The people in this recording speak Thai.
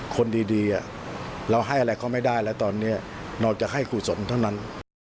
คนดีเราให้อะไรก็ไม่ได้และตอนนี้นอกจากให้ครูสมเท่านั้น